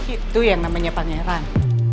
itu yang namanya pangeran